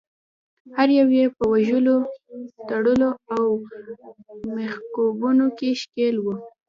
هر یو یې په وژلو، تړلو او میخکوبونو کې ښکیل وو.